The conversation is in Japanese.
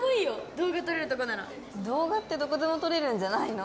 動画撮れるとこなら動画ってどこでも撮れるんじゃないの？